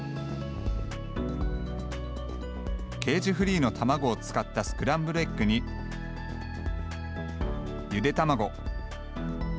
ケージフリーの卵を使ったスクランブルエッグにゆで卵。